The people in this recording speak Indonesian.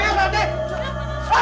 san san apa itu ustaz